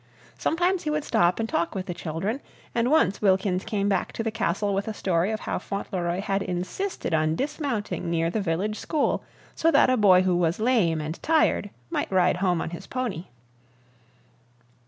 Sometimes he would stop and talk with the children, and once Wilkins came back to the castle with a story of how Fauntleroy had insisted on dismounting near the village school, so that a boy who was lame and tired might ride home on his pony.